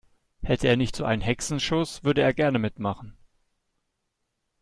Hätte er nicht so einen Hexenschuss, würde er gerne mitmachen.